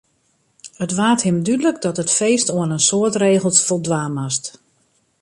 It waard him dúdlik dat it feest oan in soad regels foldwaan moast.